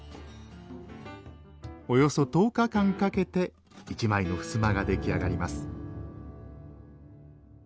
およそ１０日間かけて一枚の襖が出来上がります